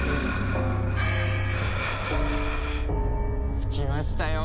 着きましたよ！